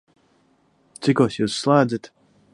Cikos Jūs slēdzat?